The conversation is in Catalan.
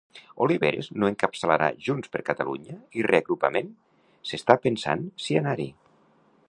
Oliveres no encapçalarà Junts per Catalunya i Reagrupament s'està pensant si anar-hi.